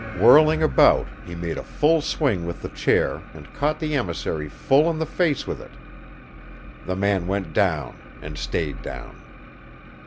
Whirling about, he made a full swing with the chair and caught the emissary full in the face with it. The man went down and stayed down.